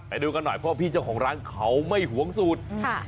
ไปดูกันหน่อยเพราะพี่เจ้าของร้านเขาไม่หวงสูตรค่ะ